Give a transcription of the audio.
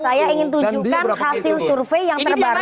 saya ingin tunjukkan hasil survei yang terbaru